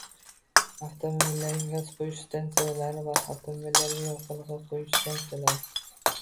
avtomobillarga gaz quyish stansiyalari va avtomobillarga yoqilg‘i quyish stansiyalari